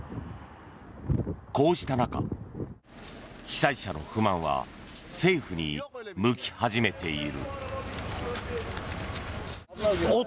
こうした中、被災者の不満は政府に向き始めている。